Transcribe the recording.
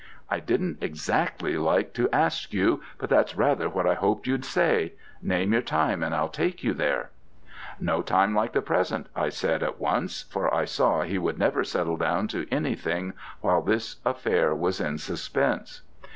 'I didn't exactly like to ask you, but that's rather what I hoped you'd say. Name your time and I'll take you there.' 'No time like the present,' I said at once, for I saw he would never settle down to anything while this affair was in suspense.